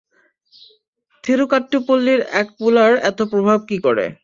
থিরুক্কাট্টুপল্লীর এক পুলার এতো প্রভাব কী করে?